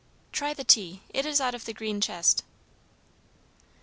"Try the tea. It is out of the green chest."